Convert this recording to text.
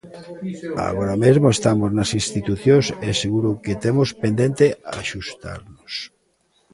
Agora mesmo estamos nas institucións e seguro que temos pendente axustarnos.